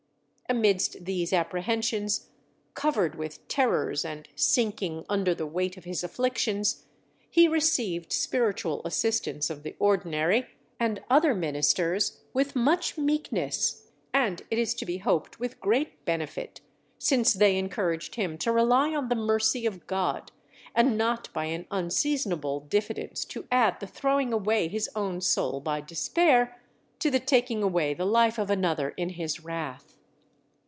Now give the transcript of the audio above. Amidst these apprehensions, covered with terrors and sinking under the weight of his afflictions, he received spiritual assistance of the Ordinary and other ministers, with much meekness, and it is to be hoped with great benefit; since they encouraged him to rely on the Mercy of God, and not by an unseasonable diffidence to add the throwing away his own soul by despair, to the taking away the life of another in his wrath.